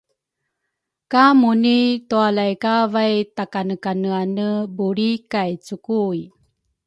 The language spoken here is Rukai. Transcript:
Ka Muni tualay kavay takanekaneane bulri kay cukui.